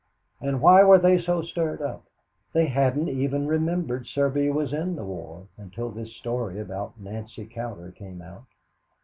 And why were they so stirred up? They hadn't even remembered Serbia was in the war until this story about Nancy Cowder came out.